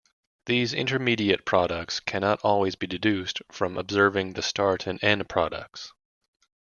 These intermediate products cannot always be deduced from observing the start and end products.